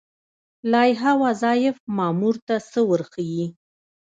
لایحه وظایف مامور ته څه ورښيي؟